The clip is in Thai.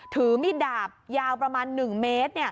ถือมีดดาบยาวประมาณ๑เมตร